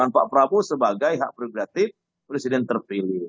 dan pak prabowo sebagai hak prioritatif presiden terpilih